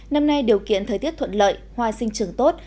năm nay điều kiện thời tiết thuận lợi hoa sinh trưởng tốt